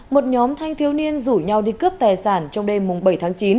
một nhóm thanh thiếu niên rủ nhau đi cướp tài sản trong đêm bảy tháng chín